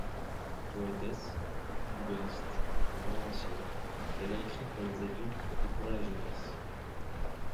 Poétesse, nouvelliste et romancière, elle a écrit pour les adultes et pour la jeunesse.